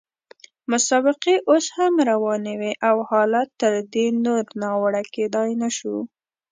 مسابقې اوس هم روانې وې او حالت تر دې نور ناوړه کېدای نه شو.